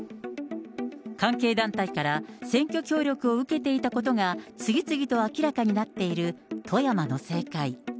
関係団体から選挙協力を受けていたことが、次々と明らかになっている富山の政界。